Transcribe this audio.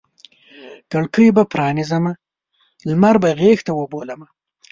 کړکۍ به پرانیزمه لمر به غیږته وبولمه